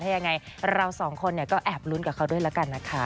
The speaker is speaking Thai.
ถ้ายังไงเราสองคนก็แอบลุ้นกับเขาด้วยแล้วกันนะคะ